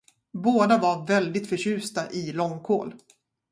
Båda var väldigt förtjusta i långkål.